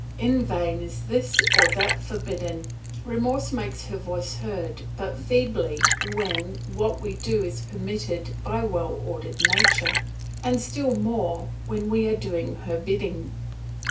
In vain is this or that forbidden; remorse makes her voice heard but feebly when what we do is permitted by well ordered nature, and still more when we are doing her bidding.